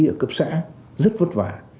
ở cấp xã rất vất vả